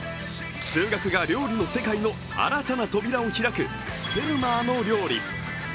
数学が料理の世界の新たな扉を開く「フェルマーの料理」。